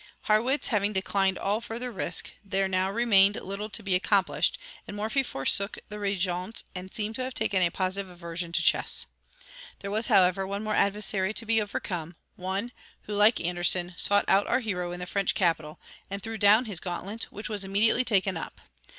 Harrwitz having declined all further risk, there now remained little to be accomplished, and Morphy forsook the Régence and seemed to have taken a positive aversion to chess. There was, however, one more adversary to be overcome; one, who, like Anderssen, sought out our hero in the French capital, and threw down his gauntlet, which was immediately taken up.